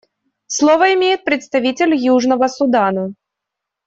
Слово имеет представитель Южного Судана.